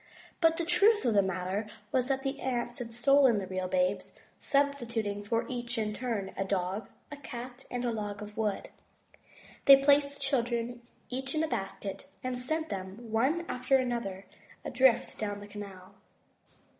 But the truth of the matter was that the aunts had stolen the real babes, substituting for each in turn a dog, a cat, and a log of wood. They placed the children each in a basket, and sent them, one after the other, adrift down the canal.